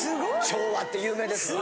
照和って有名ですよね。